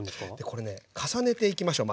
これね重ねていきましょう